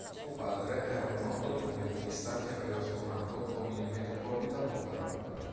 Suo padre era un noto trombettista che aveva suonato con il Metropolitan Opera.